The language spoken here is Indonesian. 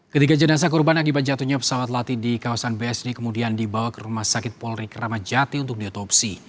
ketiga jenazah korban akibat jatuhnya pesawat latih di kawasan bsd kemudian dibawa ke rumah sakit polri kramajati untuk diotopsi